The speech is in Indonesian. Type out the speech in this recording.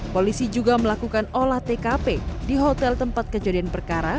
polisi juga melakukan olah tkp di hotel tempat kejadian perkara